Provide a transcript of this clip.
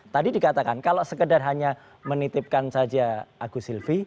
tadi dikatakan kalau sekedar hanya menitipkan saja agus silvi